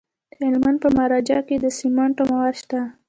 د هلمند په مارجه کې د سمنټو مواد شته.